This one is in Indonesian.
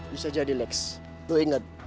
bisa jadi lex lo ingat